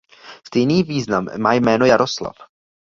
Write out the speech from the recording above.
Stejný význam má jméno Jaroslav.